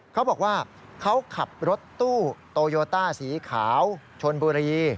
เขาบอกว่าเขาขับรถตู้โตโยต้าสีขาวชนบุรี